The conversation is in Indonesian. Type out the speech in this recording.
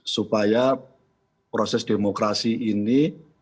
supaya proses demokrasi ini